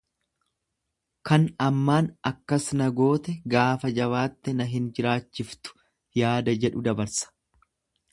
Kan ammaan akkas na goote gaafa jabaatte na hin jiraachiftu yaada jedhu dabarsa.